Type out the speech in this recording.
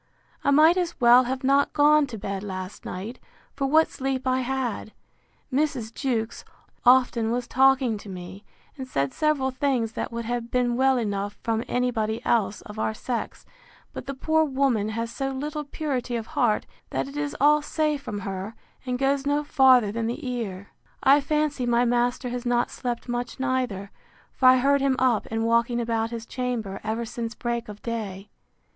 I might as well have not gone to bed last night, for what sleep I had. Mrs. Jewkes often was talking to me, and said several things that would have been well enough from any body else of our sex; but the poor woman has so little purity of heart, that it is all say from her, and goes no farther than the ear. I fancy my master has not slept much neither; for I heard him up, and walking about his chamber, ever since break of day.